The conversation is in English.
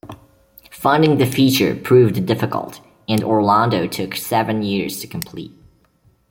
Funding the feature proved difficult, and "Orlando" took seven years to complete.